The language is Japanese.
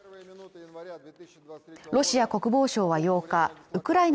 ロシア国防省は８日ウクライナ